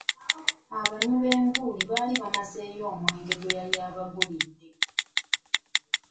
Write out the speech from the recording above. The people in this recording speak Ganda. Abanywi b'enguuli baali bamazeeyo omwenge gwe yali abagulidde.